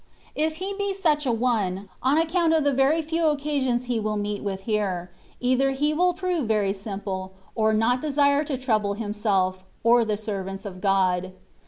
If he be such a one, on account of the very few occasions he will meet with here, either he will prove very simple, or not desire to trouble himself, or the servants of God.